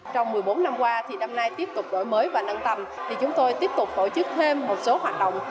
trong một mươi bốn năm qua thì năm nay tiếp tục đổi mới và nâng tầm thì chúng tôi tiếp tục tổ chức thêm một số hoạt động